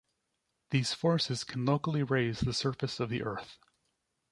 These forces can locally raise the surface of the earth.